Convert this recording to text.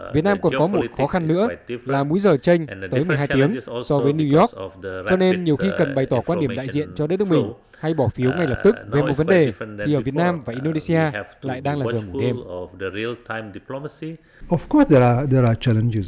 việt nam còn có một khó khăn nữa là múi giờ tranh tới một mươi hai tiếng so với new york cho nên nhiều khi cần bày tỏ quan điểm đại diện cho đất nước mình hay bỏ phiếu ngay lập tức về một vấn đề thì ở việt nam và indonesia lại đang là giờ ngủ thêm